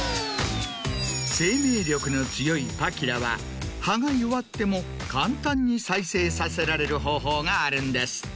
生命力の強いパキラは葉が弱っても簡単に再生させられる方法があるんです。